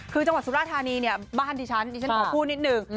คือจังหวัดสุราชธานีบ้านที่ฉันที่ฉันขอพูดนิดหนึ่ง